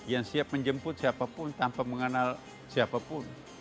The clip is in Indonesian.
yang siap menjemput siapapun tanpa mengenal siapapun